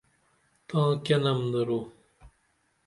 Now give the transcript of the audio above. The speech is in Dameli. تاں کیہ نم درو؟